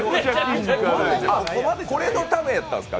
これのためやったんですか